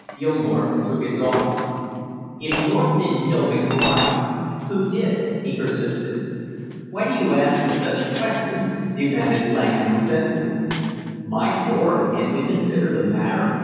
Gilmore took his arm. "If North didn't kill McBride, who did?" he persisted. "Why do you ask me such questions?" demanded Langham resentfully. "My lord can't we consider the matter?"